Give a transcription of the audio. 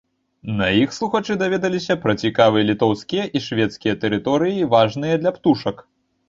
На іх слухачы даведаліся пра цікавыя літоўскія і шведскія тэрыторыі, важныя для птушак.